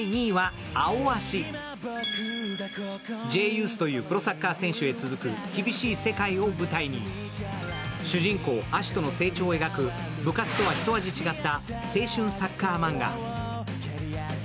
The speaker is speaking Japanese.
Ｊユースというプロサッカー選手へ続く厳しい世界を舞台に、主人公アシトの成長を描く部活とはひと味違った青春サッカーマンガ。